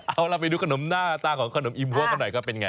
เอาล่ะไปดูขนมหน้าตาของขนมอิมพัวกันหน่อยก็เป็นไง